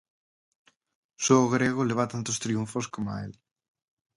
Só o grego leva tantos triunfos coma el.